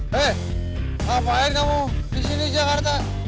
hei apaan kamu di sini jakarta